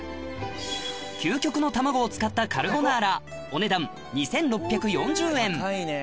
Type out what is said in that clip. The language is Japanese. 究極の卵を使ったカルボナーラお値段２６４０円高いね！